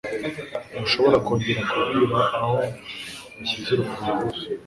ntushobora kongera kumbwira aho washyize urufunguzo